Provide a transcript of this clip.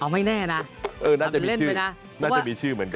อ๋อไม่แน่น่ะเอ๋อน่าจะมีชื่อน่าจะมีชื่อเหมือนกัน